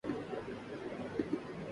یہ بات کُھل کر سامنے آ گئی تھی